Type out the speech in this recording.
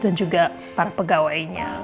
dan juga para pegawainya